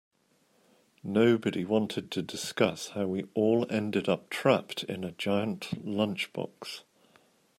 Nobody wanted to discuss how we all ended up trapped in a giant lunchbox.